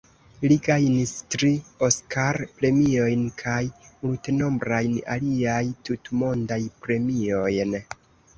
Li gajnis tri Oskar-premiojn kaj multenombrajn aliaj tutmondaj premiojn.